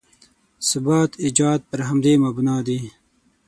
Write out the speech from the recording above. ثبات ایجاد پر همدې مبنا دی.